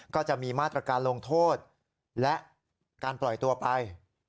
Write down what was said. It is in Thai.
ก็จะมีมาตรการลงโทษและการปล่อยตัวไป